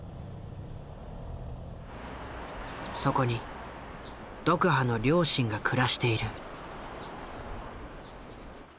そこにドクハの両親が暮らしている。